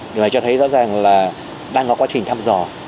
điều này cho thấy rõ ràng là đang có quá trình thăm dò